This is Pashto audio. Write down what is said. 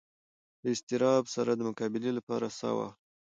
له اضطراب سره د مقابلې لپاره ساه واخلئ.